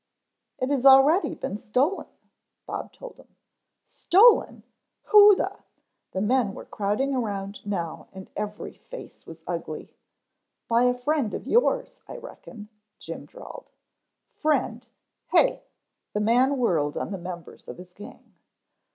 "It has already been stolen," Bob told him. "Stolen! Who the " The men were crowding around now and every face was ugly. "By a friend of yours, I reckon," Jim drawled. "Friend, hey " The man whirled on the members of his gang.